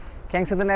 oke yang setelah itu